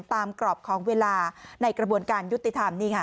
ตามกรอบของเวลาในกระบวนการยุติธรรมนี่ค่ะ